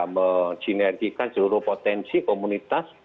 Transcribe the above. menginertikan seluruh potensi komunitas